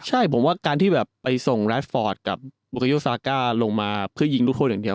ใช่ผมว่าการที่แบบไปส่งแรดฟอร์ตกับบุคโยซาก้าลงมาเพื่อยิงทุกคนอย่างเดียว